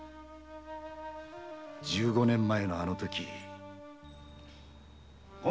十五年前のあのとき。